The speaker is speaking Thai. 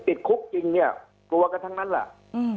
ติดจริงเนี่ยกลัวกันทั้งนั้นล่ะอืม